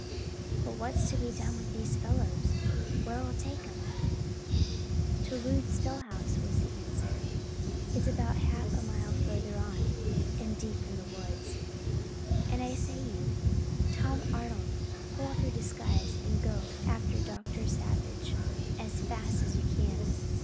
"But what's to be done with these fellows? where'll we take 'em?" "To Rood's still house," was the answer. "It's about half a mile further on, and deep in the woods. And I say you, Tom Arnold, pull off your disguise and go after Dr. Savage as fast as you can.